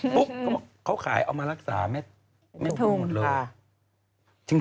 ปุ๊บเขาขายเอามารักษาไม่พูดหมดเลย